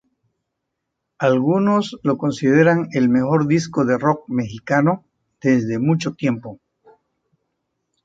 Algunos lo consideraron el mejor disco de Rock mexicano desde mucho tiempo.